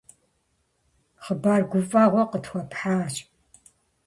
Хъыбар гуфӀэгъуэ къытхуэпхьащ.